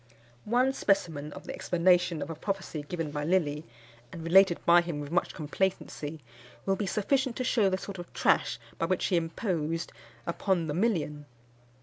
One specimen of the explanation of a prophecy given by Lilly, and related by him with much complacency, will be sufficient to shew the sort of trash by which he imposed upon the million.